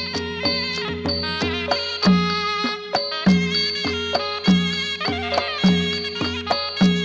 สวัสดีครับ